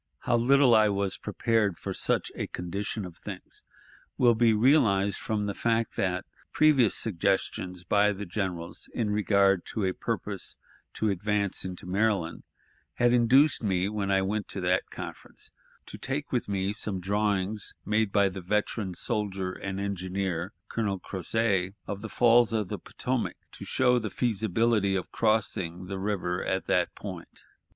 How little I was prepared for such a condition of things will be realized from the fact that previous suggestions by the generals in regard to a purpose to advance into Maryland had induced me, when I went to that conference, to take with me some drawings made by the veteran soldier and engineer, Colonel Crozêt, of the falls of the Potomac, to show the feasibility of crossing the river at that point.